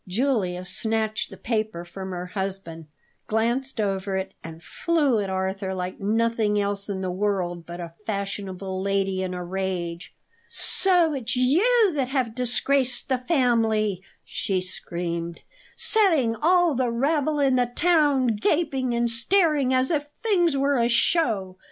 Julia snatched the paper from her husband, glanced over it, and flew at Arthur like nothing else in the world but a fashionable lady in a rage. "So it's you that have disgraced the family!" she screamed; "setting all the rabble in the town gaping and staring as if the thing were a show?